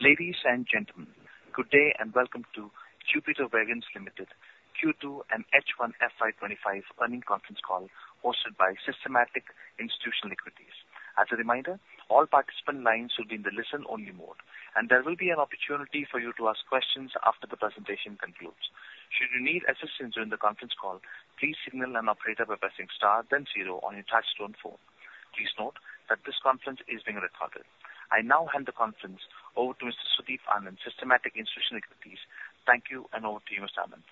Ladies and gentlemen, good day and welcome to Jupiter Wagons Q2 and H1 FY25 earnings conference call hosted by Systematix Institutional Equities. As a reminder, all participant lines will be in the listen-only mode, and there will be an opportunity for you to ask questions after the presentation concludes. Should you need assistance during the conference call, please press star, then zero on your touch-tone phone. Please note that this conference is being recorded. I now hand the conference over to Mr. Sudeep Anand, Systematix Institutional Equities. Thank you, and over to you, Mr. Anand.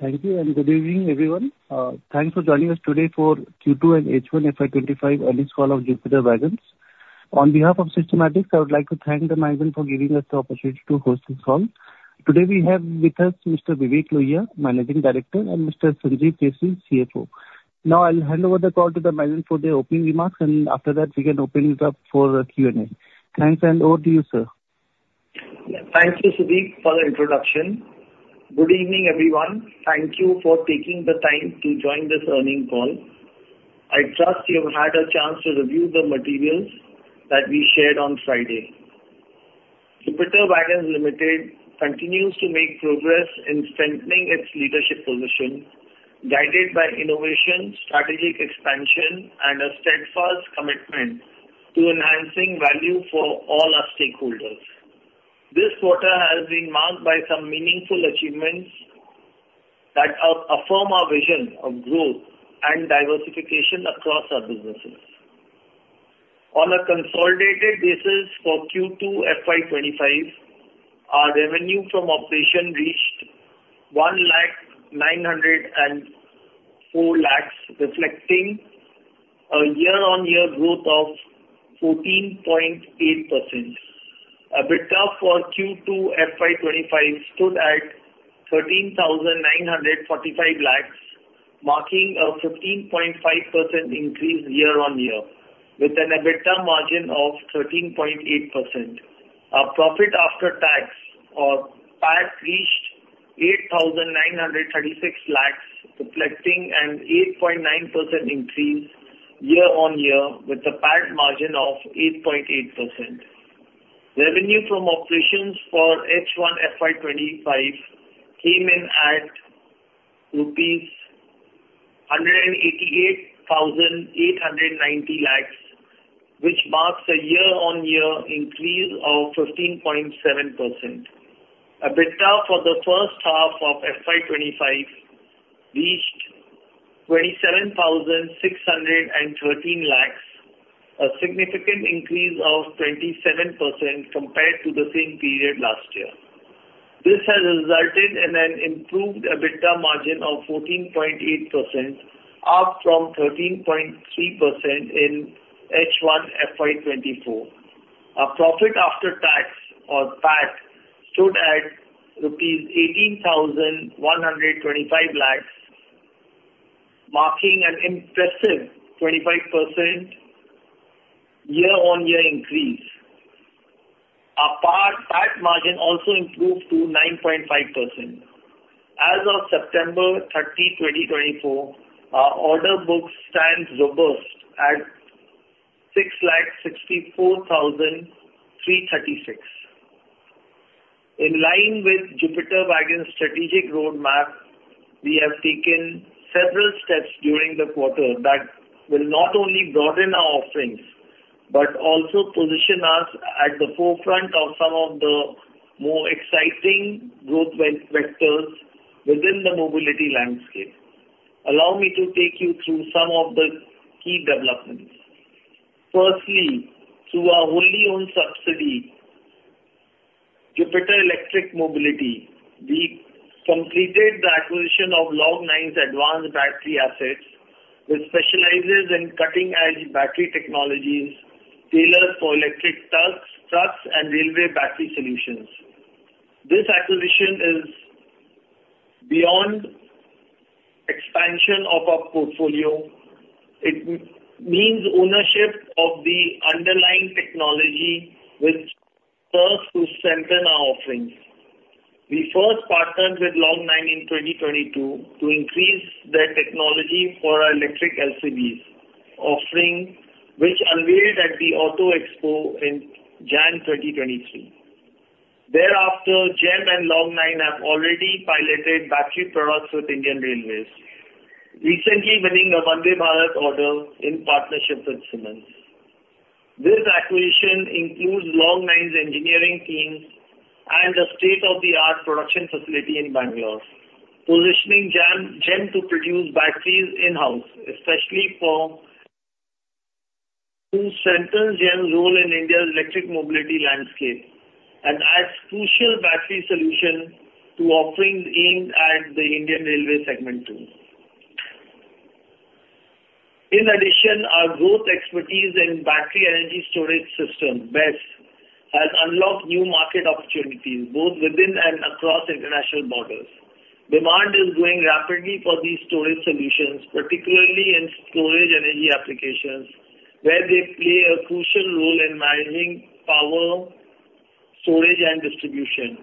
Thank you, and good evening, everyone. Thanks for joining us today for Q2 and H1 FY25 earnings call of Jupiter Wagons. On behalf of Systematix, I would like to thank the management for giving us the opportunity to host this call. Today we have with us Mr. Vivek Lohia, Managing Director, and Mr. Sanjiv Keshri, CFO. Now I'll hand over the call to the management for their opening remarks, and after that, we can open it up for Q&A. Thanks, and over to you, sir. Thank you, Sudeep, for the introduction. Good evening, everyone. Thank you for taking the time to join this earnings call. I trust you've had a chance to review the materials that we shared on Friday. Jupiter Wagons Limited continues to make progress in strengthening its leadership position, guided by innovation, strategic expansion, and a steadfast commitment to enhancing value for all our stakeholders. This quarter has been marked by some meaningful achievements that affirm our vision of growth and diversification across our businesses. On a consolidated basis for Q2 FY25, our revenue from operations reached INR 1,904,000, reflecting a year-on-year growth of 14.8%. EBITDA for Q2 FY25 stood at 13,945,000, marking a 15.5% increase year-on-year, with an EBITDA margin of 13.8%. Our profit after tax, or PAT, reached 8,936,000, reflecting an 8.9% increase year-on-year, with a PAT margin of 8.8%. Revenue from operations for H1 FY25 came in at rupees 188,890,000, which marks a year-on-year increase of 15.7%. EBITDA for the first half of FY25 reached 27,613,000, a significant increase of 27% compared to the same period last year. This has resulted in an improved EBITDA margin of 14.8%, up from 13.3% in H1 FY24. Our profit after tax, or PAT, stood at rupees 18,125,000, marking an impressive 25% year-on-year increase. Our PAT margin also improved to 9.5%. As of September 30, 2024, our order book stands robust at 664,336. In line with Jupiter Wagons' strategic roadmap, we have taken several steps during the quarter that will not only broaden our offerings but also position us at the forefront of some of the more exciting growth vectors within the mobility landscape. Allow me to take you through some of the key developments. Firstly, through our wholly-owned subsidiary, Jupiter Electric Mobility, we completed the acquisition of Log9's advanced battery assets, which specializes in cutting-edge battery technologies tailored for electric trucks and railway battery solutions. This acquisition is beyond expansion of our portfolio. It means ownership of the underlying technology, which serves to strengthen our offerings. We first partnered with Log9 in 2022 to increase their technology for our electric LCVs offering, which unveiled at the Auto Expo in January 2023. Thereafter, JEM and Log9 have already piloted battery products with Indian Railways, recently winning a Vande Bharat order in partnership with Siemens. This acquisition includes Log9's engineering team and a state-of-the-art production facility in Bangalore, positioning JEM to produce batteries in-house, especially to strengthen JEM's role in India's electric mobility landscape and adds crucial battery solutions to offerings aimed at the Indian railway segment too. In addition, our growth expertise in battery energy storage systems, BESS, has unlocked new market opportunities both within and across international borders. Demand is growing rapidly for these storage solutions, particularly in storage energy applications, where they play a crucial role in managing power storage and distribution,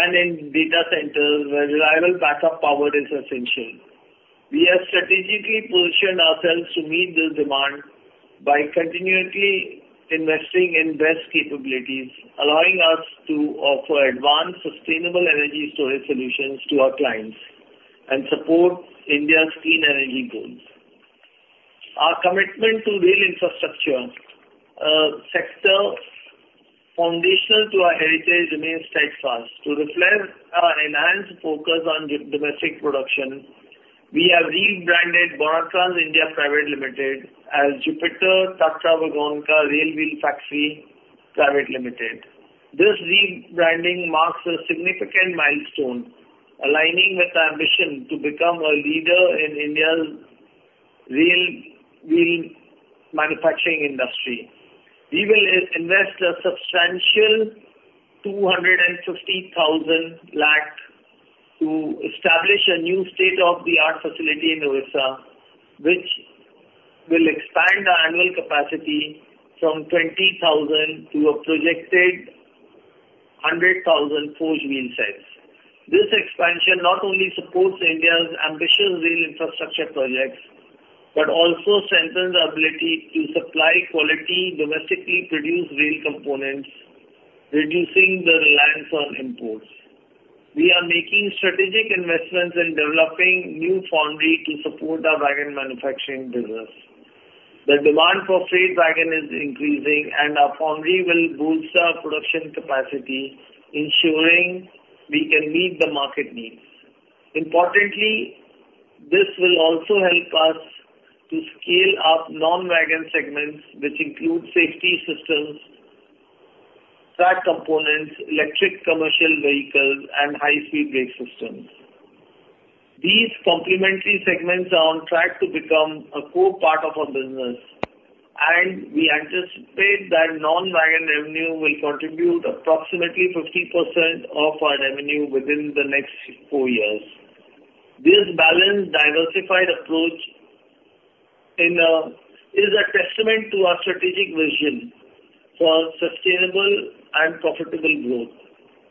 and in data centers, where reliable backup power is essential. We have strategically positioned ourselves to meet this demand by continually investing in BESS capabilities, allowing us to offer advanced, sustainable energy storage solutions to our clients and support India's clean energy goals. Our commitment to rail infrastructure, a sector foundational to our heritage, remains steadfast. To reflect our enhanced focus on domestic production, we have rebranded Bonatrans India Private Limited as Jupiter Tatravagonka Railwheel Factory Private Limited. This rebranding marks a significant milestone, aligning with our ambition to become a leader in India's railwheel manufacturing industry. We will invest a substantial 250,000,000 to establish a new state-of-the-art facility in Odisha, which will expand our annual capacity from 20,000 to a projected 100,000 forged wheel sets. This expansion not only supports India's ambitious rail infrastructure projects but also strengthens our ability to supply quality domestically produced rail components, reducing the reliance on imports. We are making strategic investments in developing new foundry to support our wagon manufacturing business. The demand for freight wagons is increasing, and our foundry will boost our production capacity, ensuring we can meet the market needs. Importantly, this will also help us to scale up non-wagon segments, which include safety systems, track components, electric commercial vehicles, and high-speed brake systems. These complementary segments are on track to become a core part of our business, and we anticipate that non-wagon revenue will contribute approximately 50% of our revenue within the next four years. This balanced, diversified approach is a testament to our strategic vision for sustainable and profitable growth.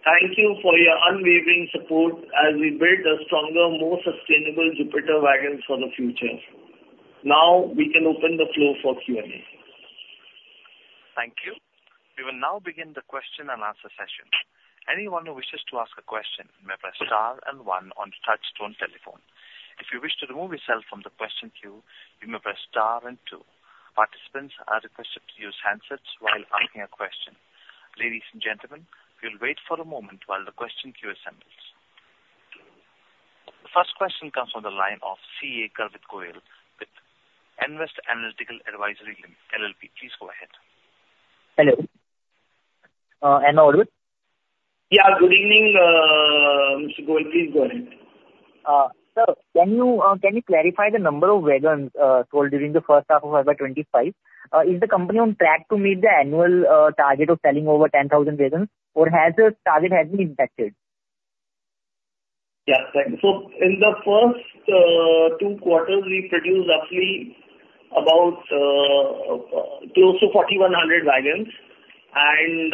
Thank you for your unwavering support as we build a stronger, more sustainable Jupiter Wagons for the future. Now we can open the floor for Q&A. Thank you. We will now begin the question and answer session. Anyone who wishes to ask a question may press star and one on the touch-tone telephone. If you wish to remove yourself from the question queue, you may press star and two. Participants are requested to use handsets while asking a question. Ladies and gentlemen, we'll wait for a moment while the question queue assembles. The first question comes from the line of Garvit Goyal with Nvest Analytics Advisory LLP. Please go ahead. Hello. Am I audible? Yeah, good evening, Mr. Goyal. Please go ahead. Sir, can you clarify the number of wagons sold during the first half of FY25? Is the company on track to meet the annual target of selling over 10,000 wagons, or has the target been impacted? Yes. So in the first two quarters, we produced roughly about close to 4,100 wagons, and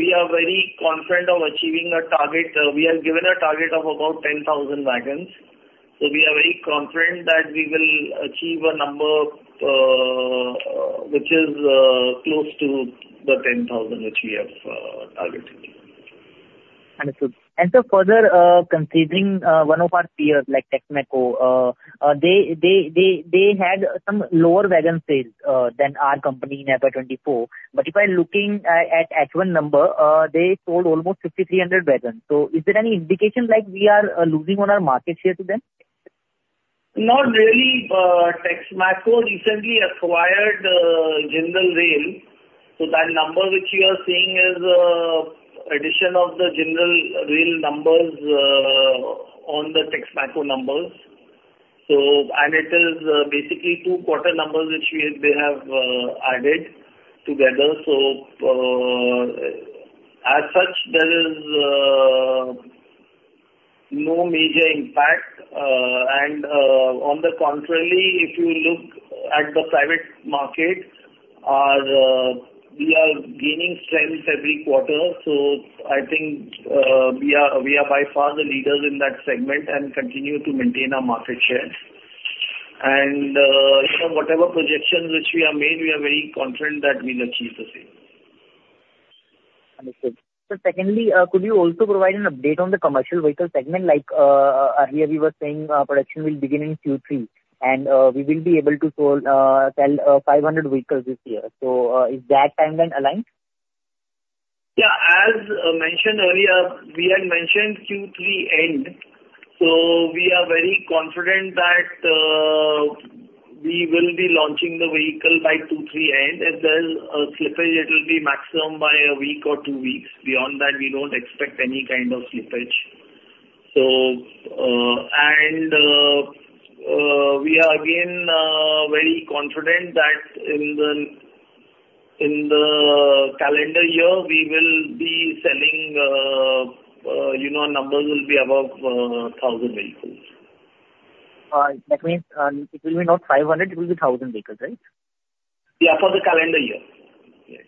we are very confident of achieving a target. We have given a target of about 10,000 wagons. So we are very confident that we will achieve a number which is close to the 10,000 which we have targeted. And so further, considering one of our peers like Texmaco, they had some lower wagon sales than our company in FY24. But if I'm looking at H1 number, they sold almost 5,300 wagons. So is there any indication like we are losing on our market share to them? Not really. Texmaco recently acquired Jindal Rail. So that number which you are seeing is an addition of the Jindal Rail numbers on the Texmaco numbers. And it is basically two quarter numbers which they have added together. So as such, there is no major impact. And on the contrary, if you look at the private market, we are gaining strength every quarter. So I think we are by far the leaders in that segment and continue to maintain our market share. And whatever projections which we have made, we are very confident that we will achieve the same. Secondly, could you also provide an update on the commercial vehicle segment? Like earlier, we were saying production will begin in Q3, and we will be able to sell 500 vehicles this year. Is that timeline aligned? Yeah. As mentioned earlier, we had mentioned Q3 end. So we are very confident that we will be launching the vehicle by Q3 end. If there's a slippage, it will be maximum by a week or two weeks. Beyond that, we don't expect any kind of slippage. And we are again very confident that in the calendar year, we will be selling numbers will be above 1,000 vehicles. All right. That means it will be not 500, it will be 1,000 vehicles, right? Yeah, for the calendar year.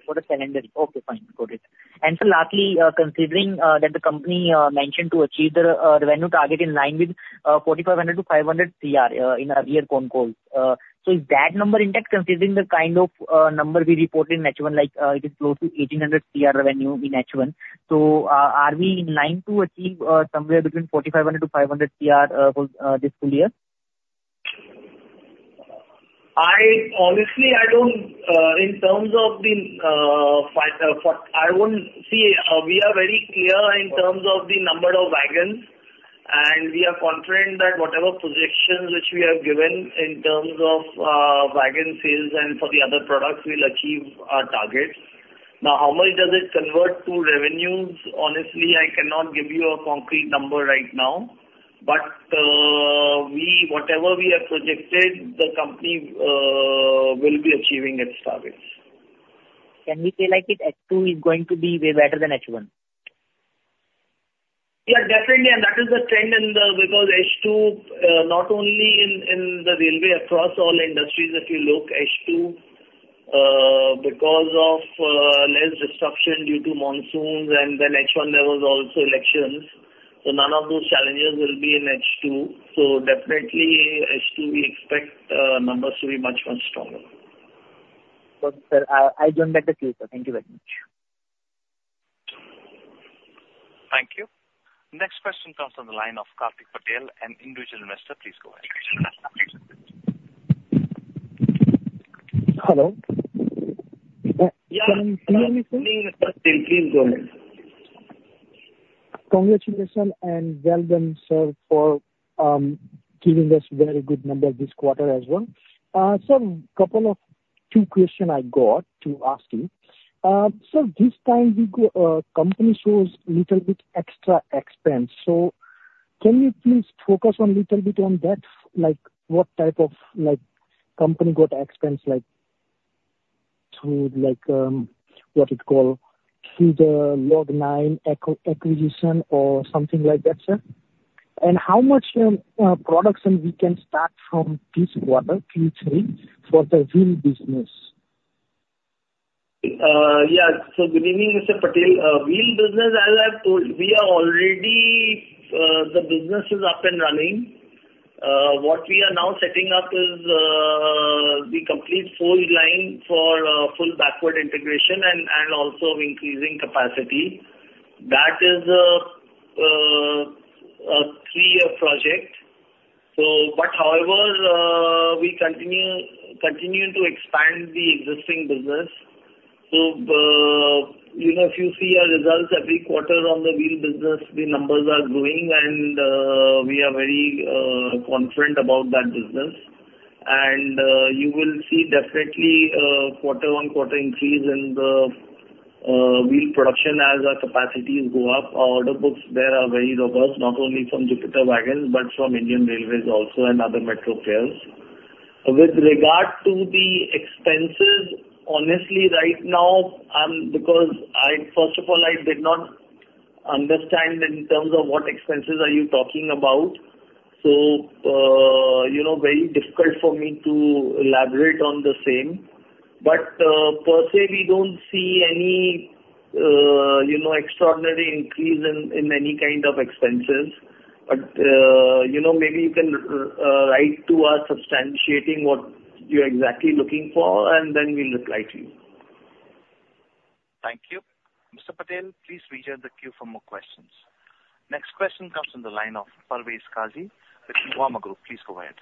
For the calendar year. Okay, fine. Got it. And so lastly, considering that the company mentioned to achieve the revenue target in line with 4,500 to 5,000 CR in earlier phone calls, so is that number intact considering the kind of number we reported in H1, like it is close to 1,800 CR revenue in H1? So are we in line to achieve somewhere between 4,500 to 5,000 CR this full year? Honestly, in terms of visibility. We are very clear in terms of the number of wagons, and we are confident that whatever projections which we have given in terms of wagon sales and for the other products, we'll achieve our target. Now, how much does it convert to revenues? Honestly, I cannot give you a concrete number right now. But whatever we have projected, the company will be achieving its targets. Can we say like H2 is going to be way better than H1? Yeah, definitely. And that is the trend because H2, not only in the railway, across all industries, if you look, H2, because of less destruction due to monsoons, and then H1 levels also elections. So none of those challenges will be in H2. So definitely, H2, we expect numbers to be much, much stronger. Sir, I'll join back in the queue. Thank you very much. Thank you. Next question comes from the line of Kartik Patel, an individual investor. Please go ahead. Hello. Yeah. Please go ahead. Congratulations and well done, sir, for giving us a very good number this quarter as well. Sir, a couple of two questions I got to ask you. Sir, this time company shows little bit extra expense. So can you please focus on little bit on that? What type of company got expense through what you call through the Log9 acquisition or something like that, sir? And how much products and we can start from this quarter, Q3, for the wheel business? Yeah. So good evening, Mr. Patel. Wheel business, as I've told, we are already the business is up and running. What we are now setting up is the complete forged line for full backward integration and also increasing capacity. That is a three-year project. But however, we continue to expand the existing business. So if you see our results every quarter on the wheel business, the numbers are growing, and we are very confident about that business. And you will see definitely quarter-on-quarter increase in the wheel production as our capacities go up. Our order books there are very robust, not only from Jupiter Wagons but from Indian Railways also and other metro pairs. With regard to the expenses, honestly, right now, because first of all, I did not understand in terms of what expenses are you talking about. So very difficult for me to elaborate on the same. But per se, we don't see any extraordinary increase in any kind of expenses. But maybe you can write to us substantiating what you're exactly looking for, and then we'll reply to you. Thank you. Mr. Patel, please reserve the queue for more questions. Next question comes from the line of Parvez Qazi, Nuvama Group. Please go ahead.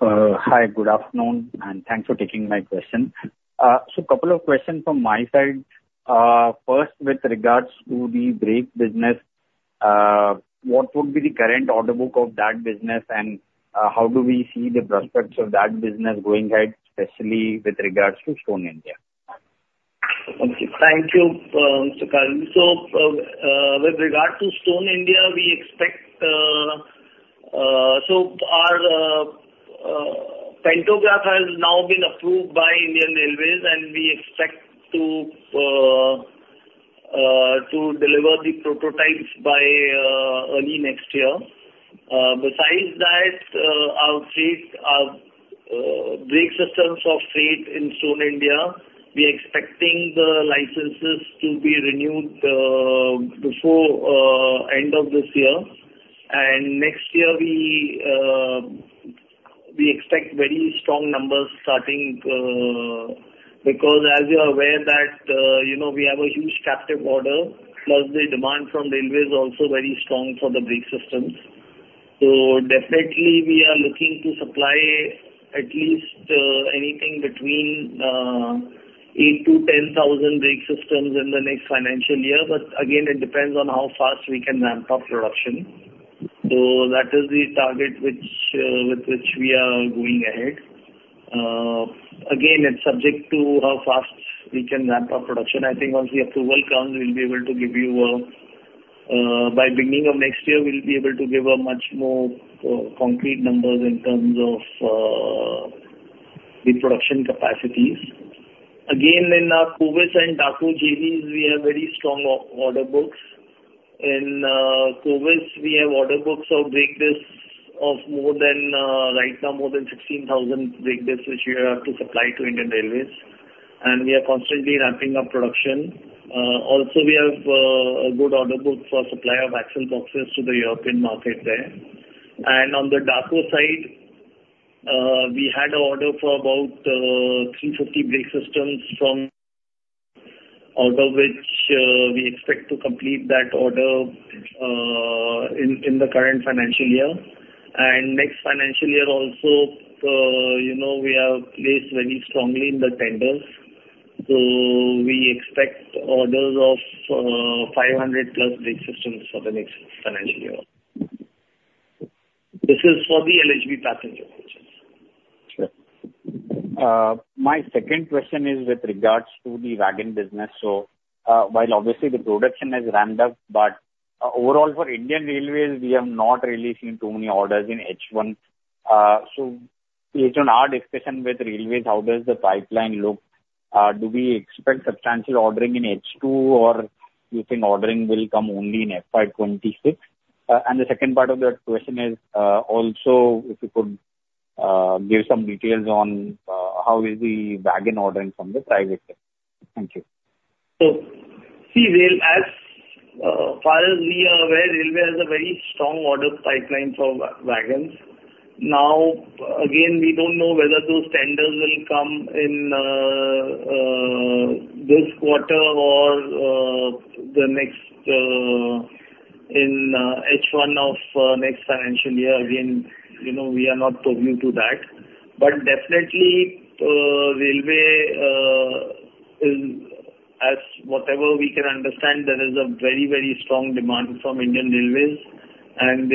Hi, good afternoon, and thanks for taking my question. So a couple of questions from my side. First, with regards to the brake business, what would be the current order book of that business, and how do we see the prospects of that business going ahead, especially with regards to Stone India? Thank you. Thank you, Mr. Qazi. With regard to Stone India, we expect our pantograph has now been approved by Indian Railways, and we expect to deliver the prototypes by early next year. Besides that, our freight brake systems in Stone India, we are expecting the licenses to be renewed before the end of this year. Next year, we expect very strong numbers starting because, as you're aware, we have a huge captive order, plus the demand from railways is also very strong for the brake systems. We are looking to supply at least anything between 8,000-10,000 brake systems in the next financial year. But again, it depends on how fast we can ramp up production. That is the target with which we are going ahead. Again, it's subject to how fast we can ramp up production. I think once the approval comes, we'll be able to give you, by beginning of next year, a much more concrete numbers in terms of the production capacities. Again, in our Kovis and DAKO JVs, we have very strong order books. In Kovis, we have order books of brake discs of more than right now, more than 16,000 brake discs which we have to supply to Indian Railways. And we are constantly ramping up production. Also, we have a good order book for supply of axle boxes to the European market there. And on the DAKO side, we had an order for about 350 brake systems from out of which we expect to complete that order in the current financial year. And next financial year also, we are placed very strongly in the tenders. So we expect orders of 500-plus brake systems for the next financial year. This is for the LHB passengers. Sure. My second question is with regards to the wagon business. So while obviously the production is ramped up, but overall for Indian Railways, we have not really seen too many orders in H1. So based on our discussion with railways, how does the pipeline look? Do we expect substantial ordering in H2, or do you think ordering will come only in FY26? And the second part of the question is also, if you could give some details on how the wagon ordering from the private sector is. Thank you. So see, as far as we are aware, Railways has a very strong order pipeline for wagons. Now, again, we don't know whether those tenders will come in this quarter or the next in H1 of next financial year. Again, we are not privy to that. But definitely, Railways, as whatever we can understand, there is a very, very strong demand from Indian Railways, and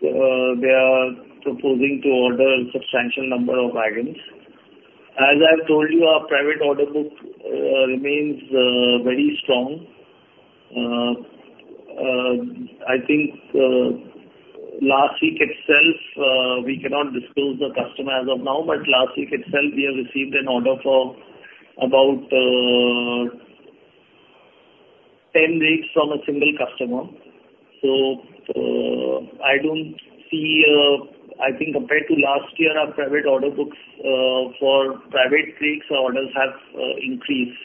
they are proposing to order a substantial number of wagons. As I've told you, our private order book remains very strong. I think last week itself, we cannot disclose the customer as of now, but last week itself, we have received an order for about 10 rakes from a single customer. So I don't see, I think compared to last year, our private order books for private rakes or orders have increased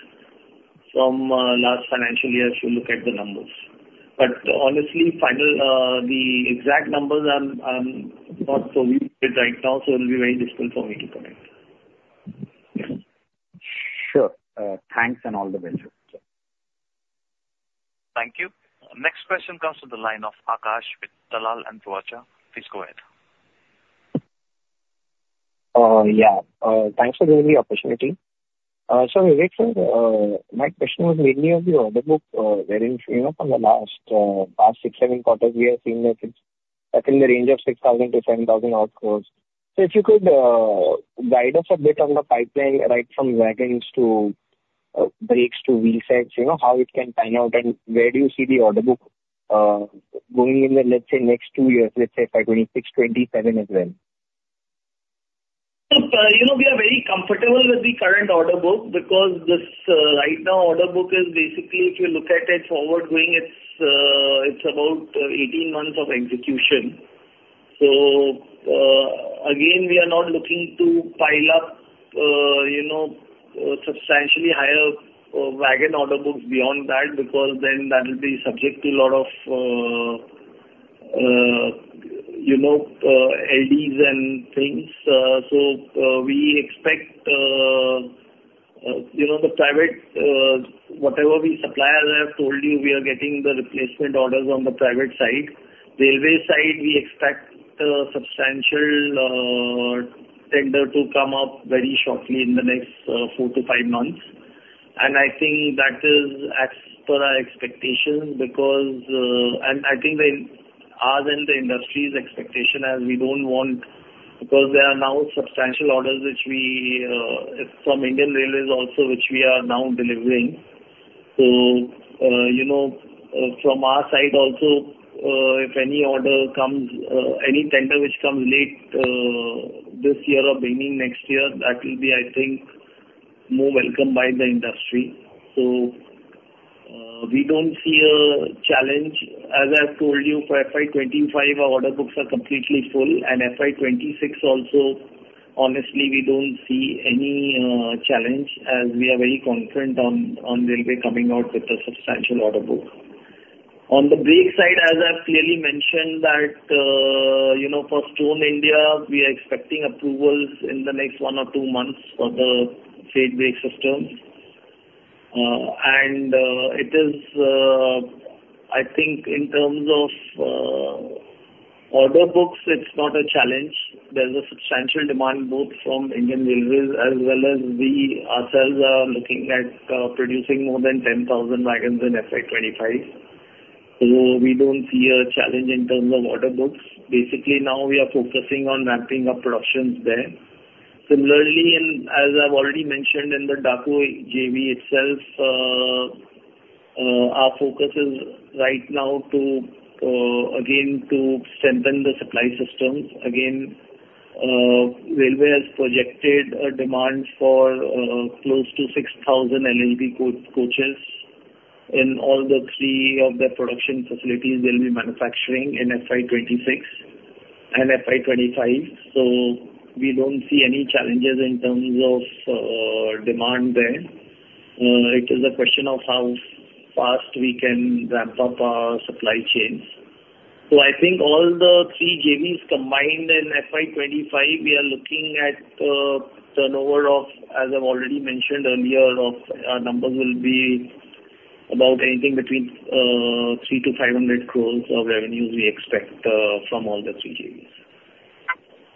from last financial year if you look at the numbers. Honestly, the exact numbers, I'm not privy to it right now, so it will be very difficult for me to comment. Sure. Thanks and all the best, sir. Thank you. Next question comes from the line of Akash with Dalal & Broacha. Please go ahead. Yeah. Thanks for giving me the opportunity. So my question was mainly of the order book. On the last six, seven quarters, we have seen that it's in the range of 6,000-7,000 outsourced. So if you could guide us a bit on the pipeline right from wagons to brakes to wheel sets, how it can pan out, and where do you see the order book going in the, let's say, next two years, let's say FY 2026, 2027 as well? We are very comfortable with the current order book because this right now order book is basically, if you look at it forward going, it's about 18 months of execution. So again, we are not looking to pile up substantially higher wagon order books beyond that because then that will be subject to a lot of LDs and things. So we expect the private, whatever our suppliers have told you, we are getting the replacement orders on the private side. Railway side, we expect the substantial tender to come up very shortly in the next four to five months. And I think that is as per our expectations because I think ours and the industry's expectation as we don't want because there are now substantial orders from Indian Railways also which we are now delivering. From our side also, if any order comes, any tender which comes late this year or beginning next year, that will be, I think, more welcome by the industry. We don't see a challenge. As I've told you, for FY 25, our order books are completely full, and FY 26 also, honestly, we don't see any challenge as we are very confident on railway coming out with the substantial order book. On the brake side, as I've clearly mentioned, for Stone India, we are expecting approvals in the next one or two months for the freight brake systems. It is, I think, in terms of order books, not a challenge. There is substantial demand both from Indian Railways as well as we ourselves are looking at producing more than 10,000 wagons in FY 25. We don't see a challenge in terms of order books. Basically, now we are focusing on ramping up productions there. Similarly, as I've already mentioned in the DAKO JV itself, our focus is right now, again, to strengthen the supply systems. Again, railway has projected a demand for close to 6,000 LHB coaches in all the three of the production facilities they'll be manufacturing in FY 26 and FY 25. So we don't see any challenges in terms of demand there. It is a question of how fast we can ramp up our supply chains. So I think all the three JVs combined in FY 25, we are looking at the turnover of, as I've already mentioned earlier, our numbers will be about anything between 300-500 crores of revenues we expect from all the three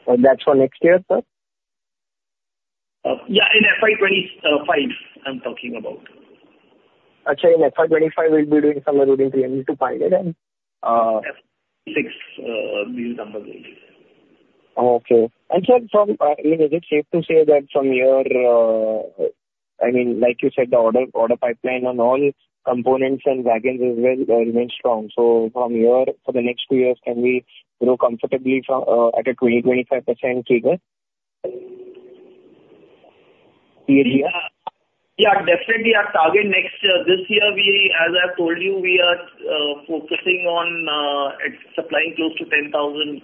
JVs. That's for next year, sir? Yeah, in FY 25, I'm talking about. I'm sorry, in FY 25, we'll be doing some [road testing to pilot it in]. FY 26, these numbers will be. Oh, okay. And sir, is it safe to say that from your, I mean, like you said, the order pipeline on all components and wagons as well remains strong? So from here, for the next two years, can we grow comfortably at a 20%-25% figure? Yeah. Yeah, definitely. Our target next year, this year, as I've told you, we are focusing on supplying close to 10,000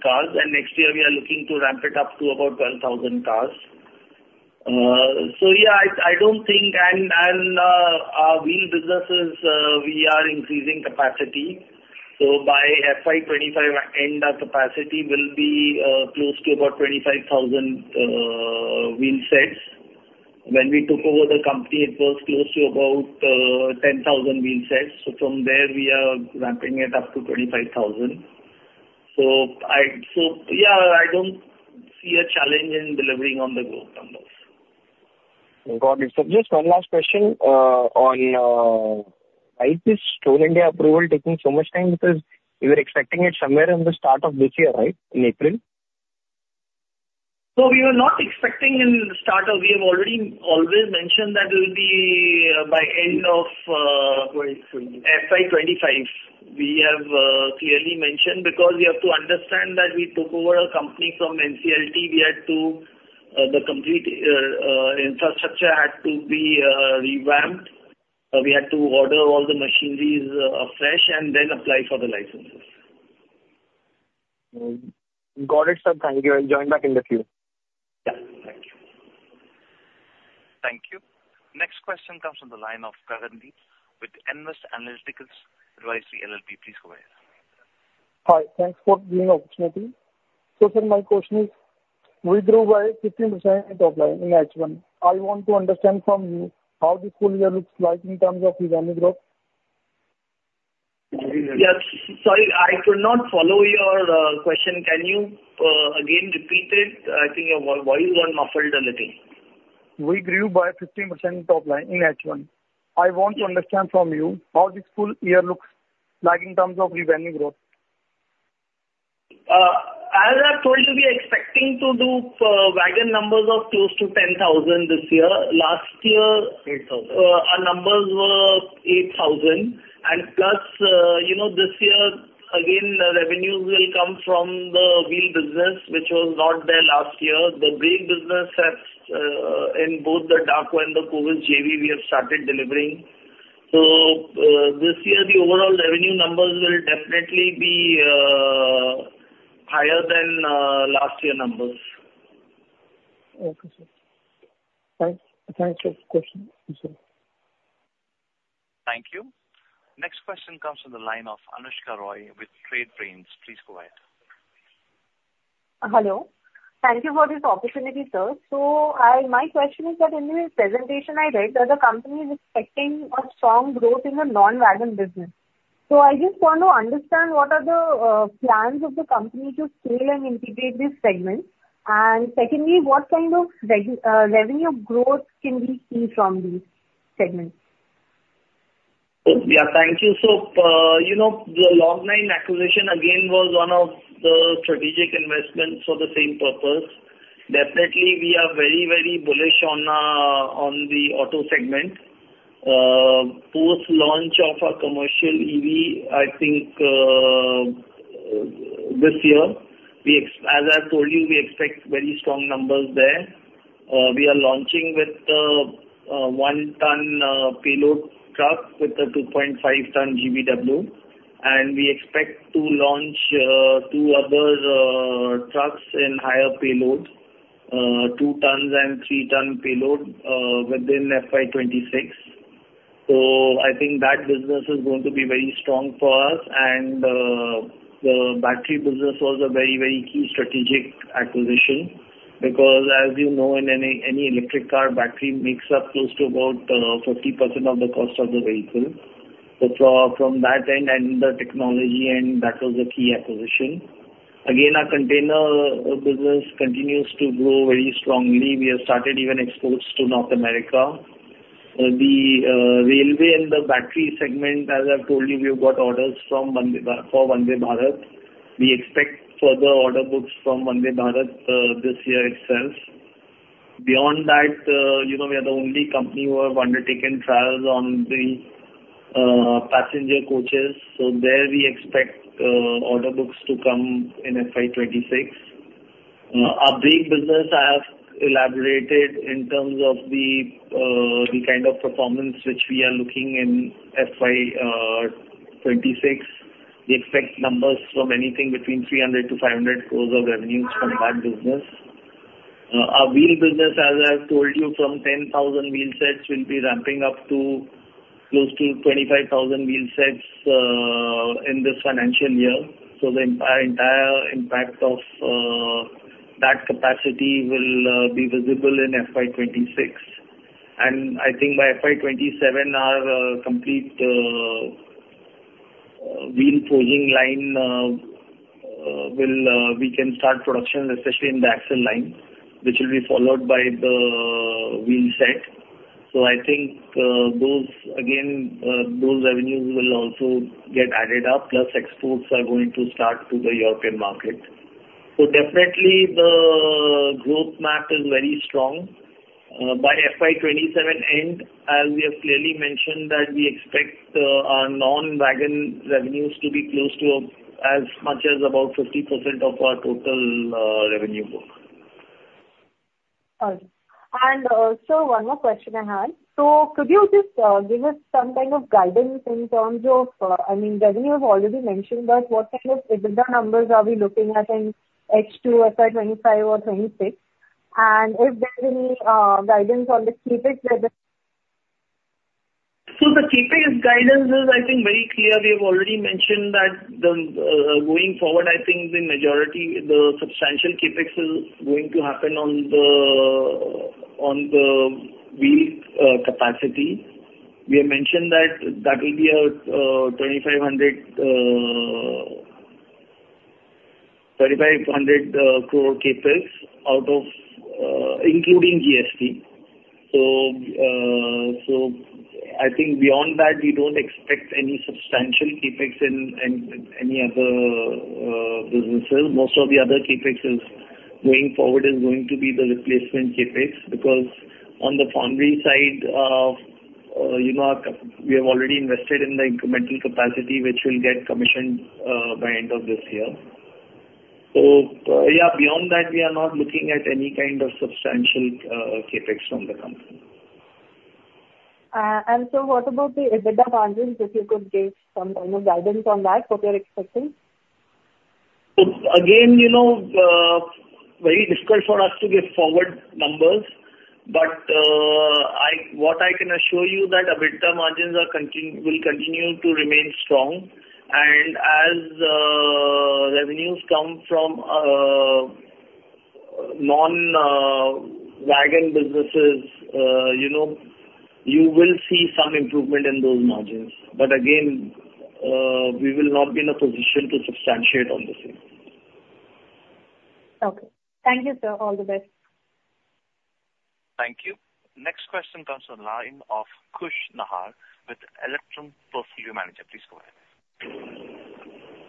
cars, and next year, we are looking to ramp it up to about 12,000 cars. So yeah, I don't think, and our wheel businesses, we are increasing capacity. So by FY 25 end, our capacity will be close to about 25,000 wheel sets. When we took over the company, it was close to about 10,000 wheel sets. So from there, we are ramping it up to 25,000. So yeah, I don't see a challenge in delivering on the growth numbers. Got it. So just one last question on: Is Stone India approval taking so much time because we were expecting it somewhere in the start of this year, right, in April? We were not expecting in the start of we have already always mentioned that it will be by end of FY 2025. We have clearly mentioned because we have to understand that we took over a company from NCLT. We had to, the complete infrastructure had to be revamped. We had to order all the machineries afresh and then apply for the licenses. Got it, sir. Thank you. I'll join back in the queue. Yeah. Thank you. Thank you. Next question comes from the line of Gagan Deep with About Nvest Analytics Advisory LLP. Please go ahead. Hi. Thanks for giving the opportunity. So sir, my question is, withdrew by 15% offline in H1. I want to understand from you how this full year looks like in terms of revenue growth. Yes. Sorry, I could not follow your question. Can you again repeat it? I think your voice got muffled a little. We grew by 15% overall in H1. I want to understand from you how this full year looks like in terms of revenue growth. As I've told you, we are expecting to do wagon numbers of close to 10,000 this year. Last year, our numbers were 8,000, and plus, this year, again, the revenues will come from the wheel business, which was not there last year. The brake business in both the DAKO and the Kovis JV, we have started delivering, so this year, the overall revenue numbers will definitely be higher than last year's numbers. Okay, sir. Thanks for the question. Thank you. Next question comes from the line of Anushka Roy with Trade Brains. Please go ahead. Hello. Thank you for this opportunity, sir. So my question is that in the presentation I read, there are companies expecting a strong growth in the non-wagon business. So I just want to understand what are the plans of the company to scale and integrate these segments? And secondly, what kind of revenue growth can we see from these segments? Yeah, thank you. So the Log9 acquisition again was one of the strategic investments for the same purpose. Definitely, we are very, very bullish on the auto segment. Post-launch of our commercial EV, I think this year, as I've told you, we expect very strong numbers there. We are launching with the one-ton payload truck with the 2.5-ton GVW. And we expect to launch two other trucks in higher payload, two-ton and three-ton payload within FY 2026. So I think that business is going to be very strong for us. And the battery business was a very, very key strategic acquisition because, as you know, in any electric car, battery makes up close to about 50% of the cost of the vehicle. So from that end and the technology end, that was a key acquisition. Again, our container business continues to grow very strongly. We have started even exports to North America. The railway and the battery segment, as I've told you, we've got orders for Vande Bharat. We expect further order books from Vande Bharat this year itself. Beyond that, we are the only company who have undertaken trials on the passenger coaches. So there, we expect order books to come in FY 26. Our big business, I have elaborated in terms of the kind of performance which we are looking in FY 26. We expect numbers from anything between 300-500 crores of revenues from that business. Our wheel business, as I've told you, from 10,000 wheel sets will be ramping up to close to 25,000 wheel sets in this financial year. So the entire impact of that capacity will be visible in FY 26. I think by FY 27, our complete wheel forging line, we can start production, especially in the axle box line, which will be followed by the wheel set. So I think, again, those revenues will also get added up, plus exports are going to start to the European market. So definitely, the growth map is very strong. By FY 27 end, as we have clearly mentioned, that we expect our non-wagon revenues to be close to as much as about 50% of our total revenue growth. Also, one more question I had. Could you just give us some kind of guidance in terms of, I mean, revenue has already been mentioned, but what kind of numbers are we looking at in H2, FY 25, or 26? And if there's any guidance on the CapEx, whether? The CapEx guidance is, I think, very clear. We have already mentioned that going forward, I think the majority, the substantial CapEx is going to happen on the wheel capacity. We have mentioned that that will be an 2,500 crore CapEx outlay including GST. So I think beyond that, we don't expect any substantial CapEx in any other businesses. Most of the other CapEx going forward is going to be the replacement CapEx because on the foundry side, we have already invested in the incremental capacity, which will get commissioned by end of this year. So yeah, beyond that, we are not looking at any kind of substantial CapEx from the company. And so what about the EBITDA targets, if you could give some kind of guidance on that, what you're expecting? Again, very difficult for us to give forward numbers, but what I can assure you is that EBITDA margins will continue to remain strong, and as revenues come from non-wagon businesses, you will see some improvement in those margins, but again, we will not be in a position to substantiate on this yet. Okay. Thank you, sir. All the best. Thank you. Next question comes from the line of Khush Nahar with Electrum Portfolio Managers. Please go ahead.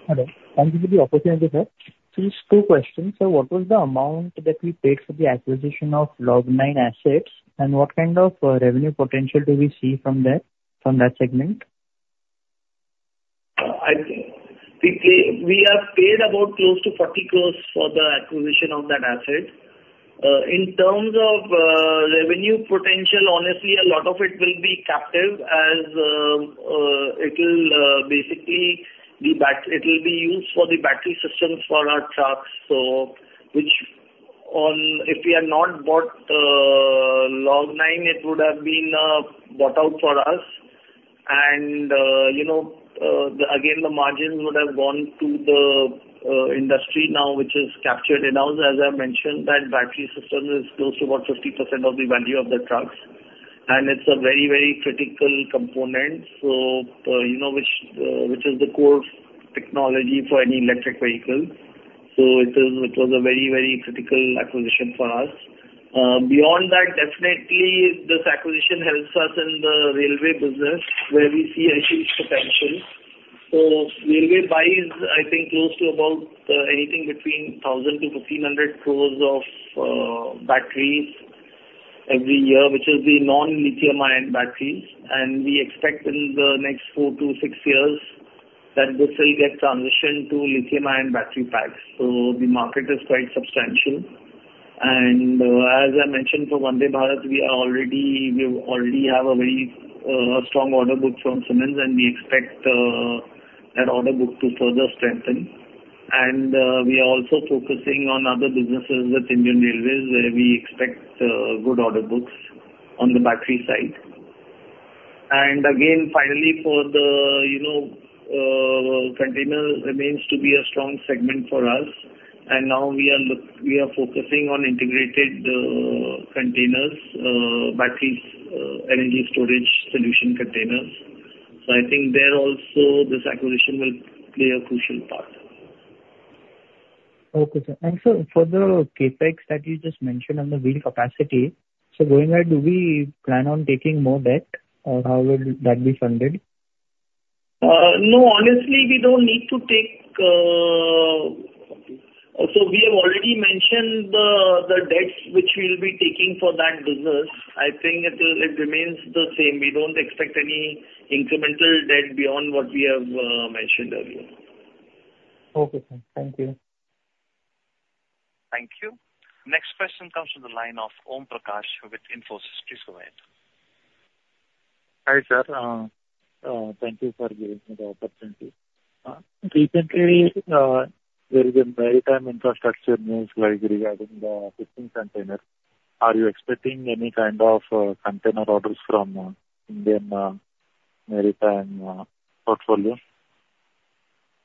Hello. Thank you for the opportunity, sir. Please go question. Sir, what was the amount that we paid for the acquisition of Log9 assets, and what kind of revenue potential do we see from that segment? We are paid about close to 40 crores for the acquisition of that asset. In terms of revenue potential, honestly, a lot of it will be captive as it will basically be used for the battery systems for our trucks. So if we had not bought Log9, it would have been bought out for us. And again, the margins would have gone to the industry now, which is captured in-house. As I've mentioned, that battery system is close to about 50% of the value of the trucks. And it's a very, very critical component, which is the core technology for any electric vehicle. So it was a very, very critical acquisition for us. Beyond that, definitely, this acquisition helps us in the railway business, where we see a huge potential. Railway buys, I think, close to about anything between 1,000-1,500 crores of batteries every year, which is the non-lithium-ion batteries. We expect in the next four to six years that this will get transitioned to lithium-ion battery packs. The market is quite substantial. As I mentioned, for Vande Bharat, we already have a very strong order book from Siemens, and we expect that order book to further strengthen. We are also focusing on other businesses with Indian Railways, where we expect good order books on the battery side. Again, finally, the containers remain a strong segment for us. Now we are focusing on integrated containers, battery energy storage solution containers. I think there also, this acquisition will play a crucial part. Okay. Thanks. So for the CapEx that you just mentioned on the wheel capacity, so going ahead, do we plan on taking more debt, or how will that be funded? No, honestly, we don't need to take. So we have already mentioned the debts which we'll be taking for that business. I think it remains the same. We don't expect any incremental debt beyond what we have mentioned earlier. Okay. Thank you. Thank you. Next question comes from the line of Om Prakash with Infosys. Please go ahead. Hi sir. Thank you for giving me the opportunity. Recently, there has been maritime infrastructure news regarding the 15 containers. Are you expecting any kind of container orders from Indian maritime portfolio?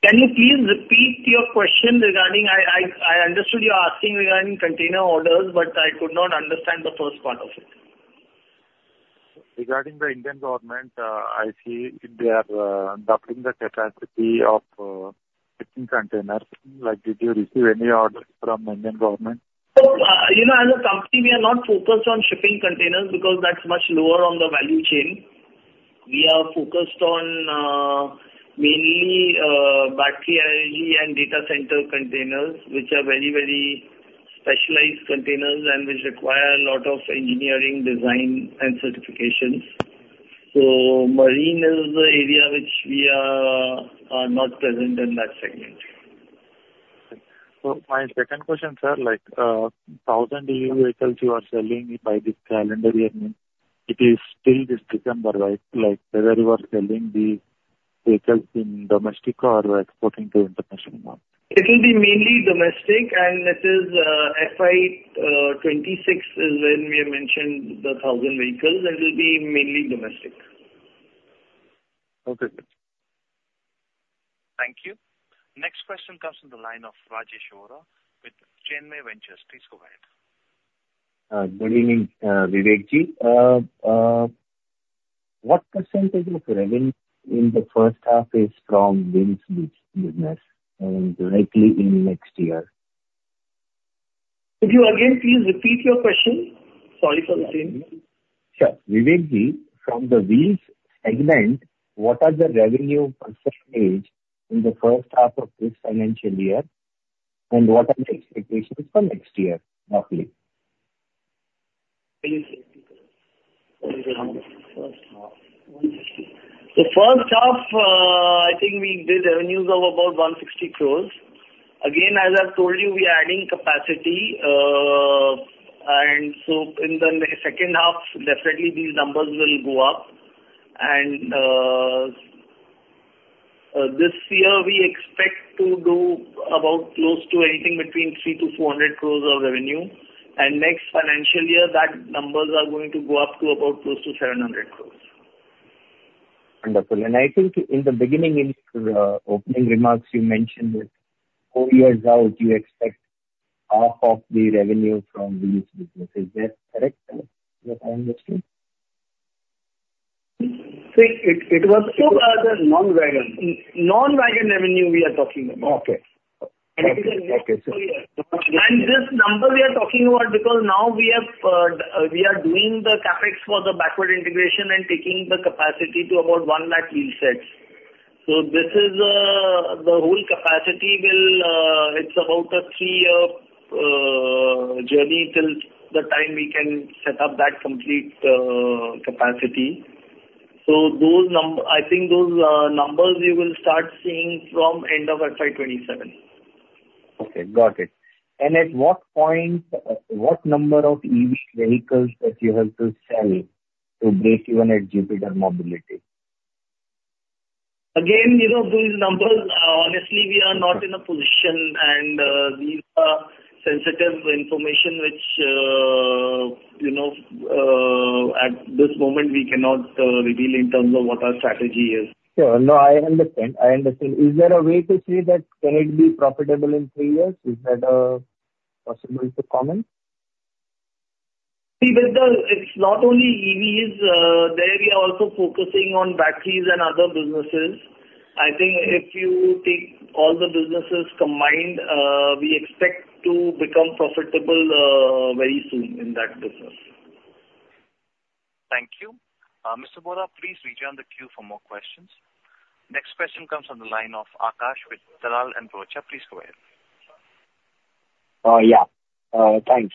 Can you please repeat your question regarding? I understood you're asking regarding container orders, but I could not understand the first part of it. Regarding the Indian government, I see they are doubling the capacity of 15 containers. Did you receive any orders from the Indian government? As a company, we are not focused on shipping containers because that's much lower on the value chain. We are focused on mainly battery energy and data center containers, which are very, very specialized containers and which require a lot of engineering, design, and certifications. So marine is the area which we are not present in that segment. My second question, sir, 1,000 EV vehicles you are selling by this calendar year, it is still this December, right? Whether you are selling these vehicles in domestic or exporting to international market? It will be mainly domestic, and it is FY 2026 when we have mentioned the 1,000 vehicles. It will be mainly domestic. Okay. Thank you. Next question comes from the line of Rajesh Vora with Jainmay Venture. Please go ahead. Good evening, Vivekji. What % of revenue in the first half is from wheels business, directly in next year? Could you again please repeat your question? Sorry for the change. Sure. Vivekji, from the wheels segment, what are the revenue percentage in the first half of this financial year, and what are the expectations for next year, roughly? The first half, I think we did revenues of about 160 crores. Again, as I've told you, we are adding capacity. And so in the second half, definitely these numbers will go up. And this year, we expect to do about close to anything between 300 to 400 crores of revenue. And next financial year, that numbers are going to go up to about close to 700 crores. Wonderful, and I think in the beginning, in the opening remarks, you mentioned that four years out, you expect half of the revenue from wheels business. Is that correct, sir, as I understood? It was non-wagon. Non-wagon revenue we are talking about. And this number we are talking about because now we are doing the CapEx for the backward integration and taking the capacity to about 1 lakh wheel sets. So this is the whole capacity. Well, it's about a three-year journey till the time we can set up that complete capacity. So I think those numbers you will start seeing from end of FY 2027. Okay. Got it. And at what point, what number of EV vehicles that you have to sell to break even at Jupiter Mobility? Again, these numbers, honestly, we are not in a position, and these are sensitive information, which at this moment, we cannot reveal in terms of what our strategy is. Sure. No, I understand. I understand. Is there a way to see that? Can it be profitable in three years? Is that possible to comment? See, it's not only EVs. There we are also focusing on batteries and other businesses. I think if you take all the businesses combined, we expect to become profitable very soon in that business. Thank you. Mr. Vora, please rejoin the queue for more questions. Next question comes from the line of Akash with Dalal and Broacha. Please go ahead. Yeah. Thanks.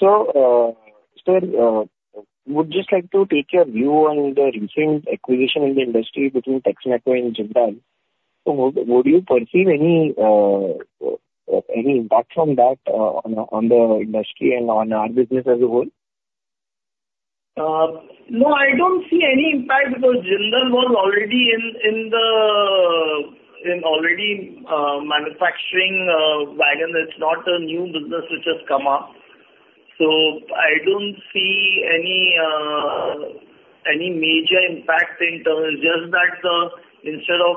So sir, we would just like to take your view on the recent acquisition in the industry between Texmaco and Jindal. Would you perceive any impact from that on the industry and on our business as a whole? No, I don't see any impact because Jindal was already in wagon manufacturing. It's not a new business which has come up. So I don't see any major impact in terms just that instead of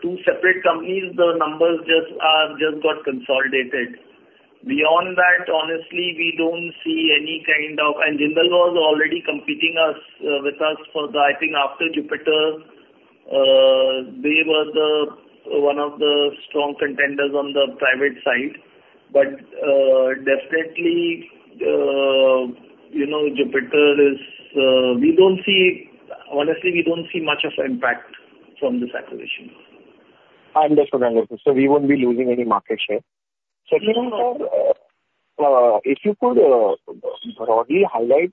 two separate companies, the numbers just got consolidated. Beyond that, honestly, we don't see any kind of and Jindal was already competing with us for the, I think, after Jupiter, they were one of the strong contenders on the private side. But definitely, Jupiter is we don't see, honestly, we don't see much of an impact from this acquisition. I understand. So we won't be losing any market share. Sir, if you could broadly highlight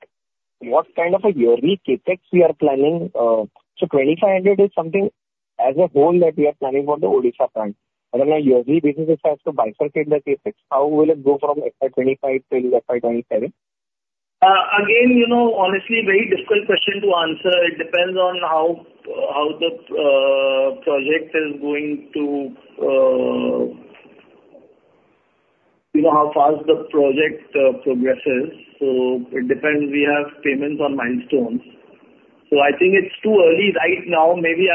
what kind of a yearly CapEx we are planning. So 2,500 is something as a whole that we are planning for the Odisha plant. I don't know, yearly businesses have to bifurcate the CapEx. How will it go from FY 25 till FY 27? Again, honestly, very difficult question to answer. It depends on how the project is going to how fast the project progresses. So it depends. We have payments on milestones. So I think it's too early right now. Maybe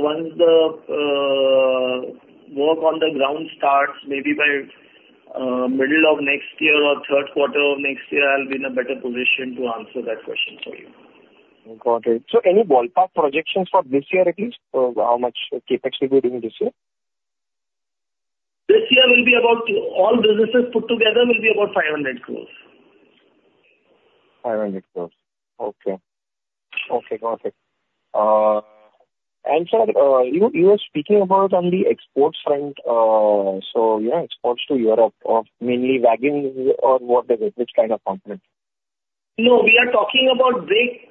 once the work on the ground starts, maybe by middle of next year or third quarter of next year, I'll be in a better position to answer that question for you. Got it. So any ballpark projections for this year at least? How much CapEx will be doing this year? This year will be about all businesses put together will be about 500 crores. 500 crores. Okay. Okay. Got it. And sir, you were speaking about on the exports front. So exports to Europe, mainly wagons or what is it? Which kind of component? No, we are talking about big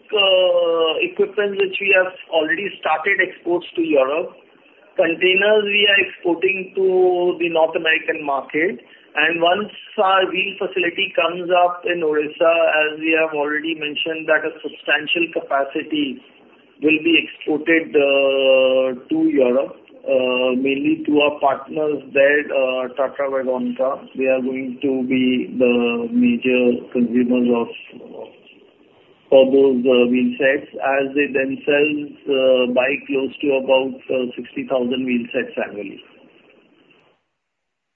equipment which we have already started exports to Europe. Containers we are exporting to the North American market, and once our wheel facility comes up in Odisha, as we have already mentioned, that a substantial capacity will be exported to Europe, mainly to our partners there, Tatravagonka. They are going to be the major consumers of all those wheel sets as they themselves buy close to about 60,000 wheel sets annually.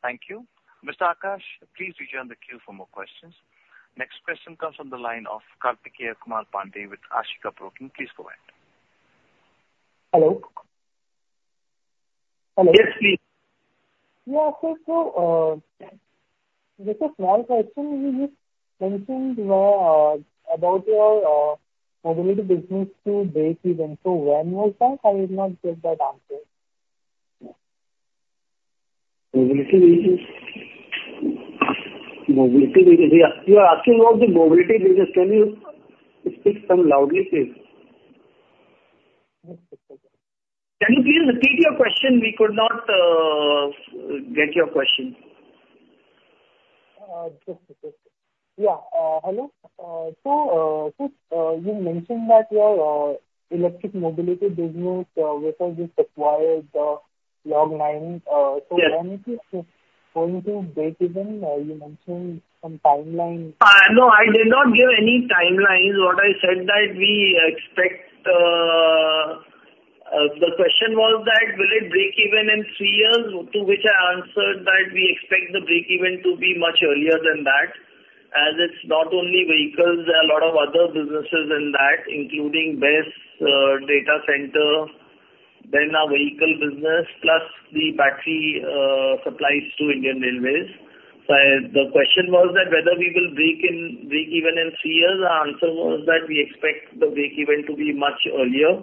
Thank you. Mr. Akash, please rejoin the queue for more questions. Next question comes from the line of Kartikeya Kumar Pandey with Ashika Stock Broking. Please go ahead. Hello. Yes, please. Yeah. So sir, just a small question. You mentioned about your mobility business to break even. So when was that? I did not get that answer. Mobility business? Mobility business. You are asking about the mobility business. Can you speak some loudly, please? Can you please repeat your question? We could not get your question. Just a sec. Yeah. Hello. So, sir, you mentioned that your electric mobility business, which has just acquired Log9. So when is it going to break even? You mentioned some timeline. No, I did not give any timelines. What I said that we expect the question was that will it break even in three years, to which I answered that we expect the break even to be much earlier than that. As it's not only vehicles, there are a lot of other businesses in that, including BESS data center, then our vehicle business, plus the battery supplies to Indian Railways. So the question was that whether we will break even in three years. The answer was that we expect the break even to be much earlier.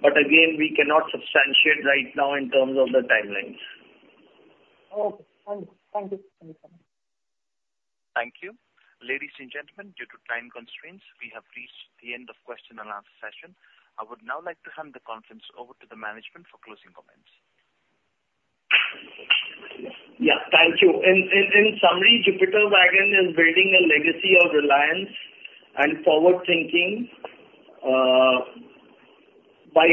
But again, we cannot substantiate right now in terms of the timelines. Okay. Thank you. Thank you. Thank you. Ladies and gentlemen, due to time constraints, we have reached the end of question and answer session. I would now like to hand the conference over to the management for closing comments. Yeah. Thank you. In summary, Jupiter Wagons is building a legacy of resilience and forward-thinking by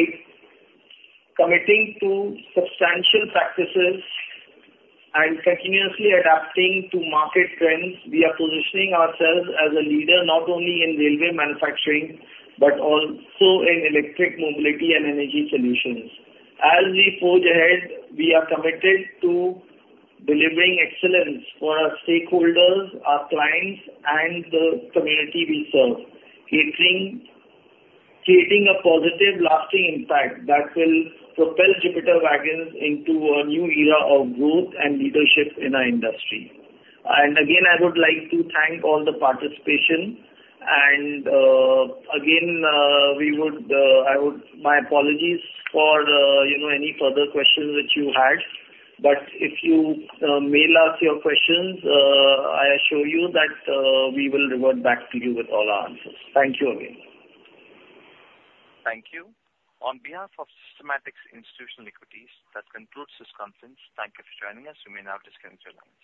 committing to sustainable practices and continuously adapting to market trends. We are positioning ourselves as a leader not only in railway manufacturing but also in electric mobility and energy solutions. As we forge ahead, we are committed to delivering excellence for our stakeholders, our clients, and the community we serve, creating a positive lasting impact that will propel Jupiter Wagons into a new era of growth and leadership in our industry. I would like to thank all the participants. I offer my apologies for any further questions that you had. But if you mail us your questions, I assure you that we will revert back to you with all our answers. Thank you again. Thank you. On behalf of Systematix Institutional Equities, that concludes this conference. Thank you for joining us. You may now disconnect your lines.